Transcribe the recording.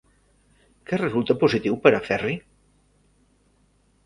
Què resulta positiu per a Ferri?